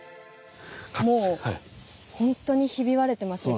もう本当にひび割れてますね。